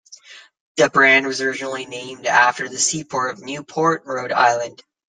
The brand was originally named after the seaport of Newport, Rhode Island.